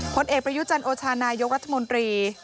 ผลเอกประยุจันโอชานายกรัฐมนตรี